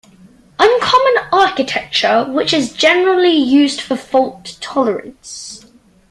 Uncommon architecture which is generally used for fault tolerance.